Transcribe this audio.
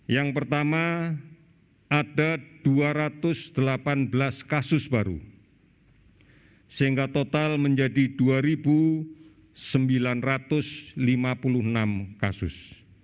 yang pertama ada dua ratus delapan belas kasus baru sehingga total menjadi dua sembilan ratus lima puluh enam kasus